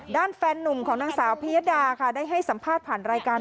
แฟนนุ่มของนางสาวพิยดาค่ะได้ให้สัมภาษณ์ผ่านรายการ